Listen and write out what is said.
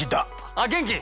あっ元気？